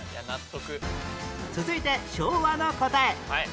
続いて昭和の答え